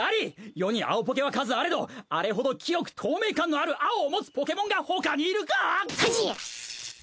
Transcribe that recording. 世に青ポケは数あれどあれほど清く透明感のある青を持つポケモンが他にいるか！？